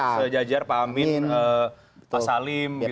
sejajar pak amin pak salim